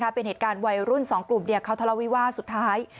เป็นเหตุการณ์วัยรุ่น๒กลุ่มเขาทะเลาวิวาสสุดท้าย